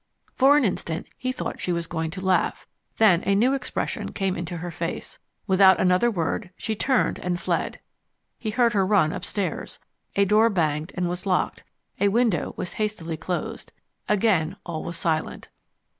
For an instant he thought she was going to laugh. Then a new expression came into her face. Without another word she turned and fled. He heard her run upstairs. A door banged, and was locked. A window was hastily closed. Again all was silent.